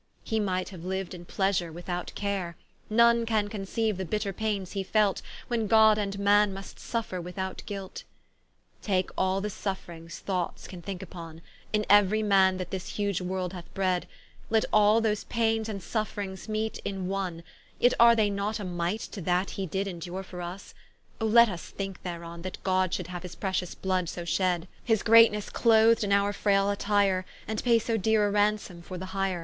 He might haue liu'd in pleasure without care: None can conceiue the bitter paines he felt, When God and man must suffer without guilt. Take all the Suffrings Thoughts can thinke vpon, In eu'ry man that this huge world hath bred; Let all those Paines and Suffrings meet in one, Yet are they not a Mite to that he did Endure for vs: Oh let vs thinke thereon, That God should haue his pretious blood so shed: His Greatnesse clothed in our fraile attire, And pay so deare a ransome for the hire.